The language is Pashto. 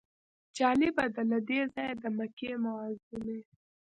جالبه ده له دې ځایه د مکې معظمې.